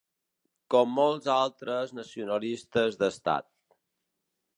Com molts altres nacionalistes d’estat.